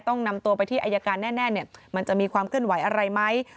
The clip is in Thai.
นำตัวไปที่อายการแน่มันจะมีความเคลื่อนไหวอะไรไหม